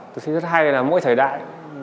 tôi thấy rất hay là mỗi thời đại